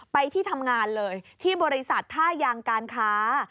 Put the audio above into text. ไปที่ทำงานเลยที่บริษัทท่ายางการค้า